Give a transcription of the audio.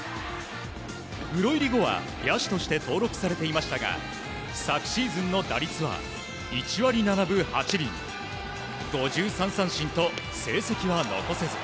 プロ入り後は野手として登録されていましたが昨シーズンの打率は１割７分８厘５３三振と成績は残せず。